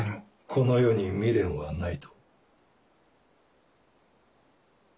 この世に未練はないと？